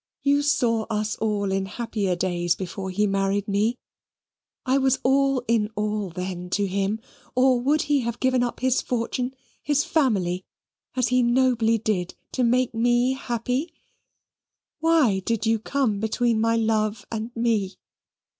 You saw us all in happier days before he married me. I was all in all then to him; or would he have given up his fortune, his family, as he nobly did to make me happy? Why did you come between my love and me?